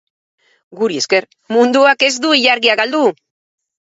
Guri esker, munduak ez du ilargia galdu!.